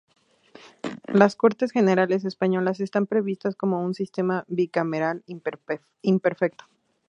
Las Cortes Generales españolas están previstas como un sistema bicameral imperfecto.